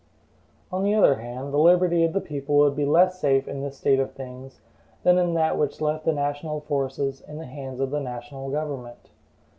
On the other hand, the liberty of the people would be less safe in this state of things than in that which left the national forces in the hands of the national government.